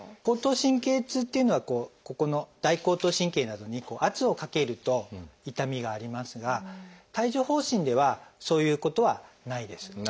後頭神経痛っていうのはここの大後頭神経などに圧をかけると痛みがありますが帯状疱疹ではそういうことはないです。